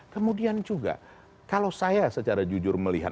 kemudian juga kalau saya secara jujur melihat